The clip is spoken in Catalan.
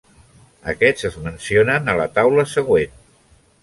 Aquests es mencionen a la taula següent.